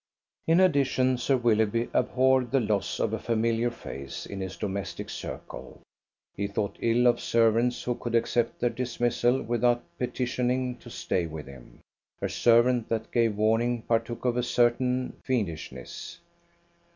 In addition, Sir Willoughby abhorred the loss of a familiar face in his domestic circle. He thought ill of servants who could accept their dismissal without petitioning to stay with him. A servant that gave warning partook of a certain fiendishness.